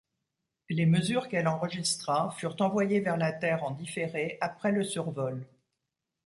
Les mesures qu'elle enregistra furent envoyées vers la Terre en différé après le survol.